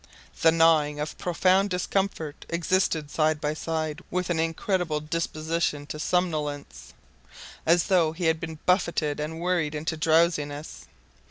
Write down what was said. The gnawing of profound discomfort existed side by side with an incredible disposition to somnolence, as though he had been buffeted and worried into drowsiness.